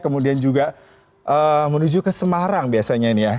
kemudian juga menuju ke semarang biasanya ini ya